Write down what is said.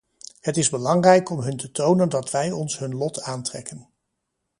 Het is belangrijk om hun te tonen dat wij ons hun lot aantrekken.